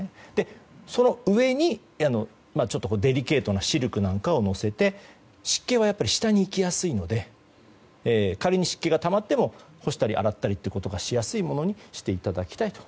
その上にデリケートなシルクなんかをのせて湿気は下に行きやすいので仮に、湿気がたまっても干したり洗ったりがしやすいものにしていただきたいと。